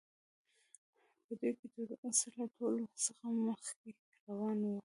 په دوی کې تور اس له ټولو څخه مخکې روان وو.